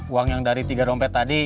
uang yang dari tiga dompet tadi